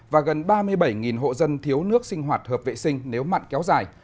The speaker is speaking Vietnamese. và gần ba mươi bảy hộ dân thiếu nước sinh hoạt hợp vệ sinh nếu mặn kéo dài